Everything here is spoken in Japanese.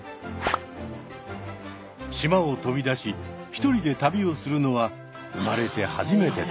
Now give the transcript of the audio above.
島を飛び出し一人で旅をするのは生まれて初めてです。